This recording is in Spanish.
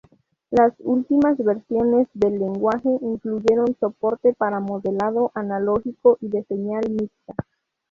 Las últimas versiones del lenguaje incluyen soporte para modelado analógico y de señal mixta.